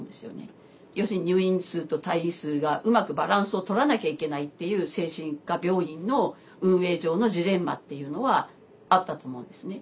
要するに入院数と退院数がうまくバランスをとらなきゃいけないっていう精神科病院の運営上のジレンマっていうのはあったと思うんですね。